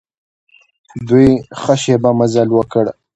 دوی ښه شېبه مزل وکړ.